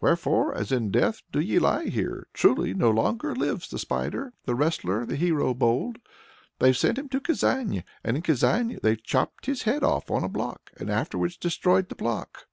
Wherefore as in death do ye lie here? Truly no longer lives the Spider, the wrestler, the hero bold. They've sent him to Kazan and in Kazan they've chopped his head off on a block, and afterwards destroyed the block."